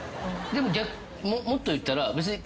でももっと言ったら別に。